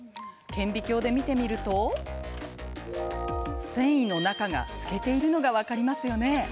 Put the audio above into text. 顕微鏡で見てみると繊維の中が透けているのが分かりますよね。